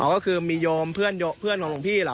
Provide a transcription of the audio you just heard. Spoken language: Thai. ก็คือมีโยมเพื่อนของหลวงพี่เหรอ